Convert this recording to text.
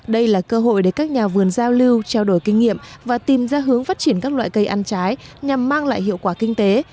đây là cơ hội để các nhà vườn giao lưu trao đổi kinh nghiệm và tìm ra hướng phát triển các loại cây ăn trái nhằm mang lại hiệu quả kinh tế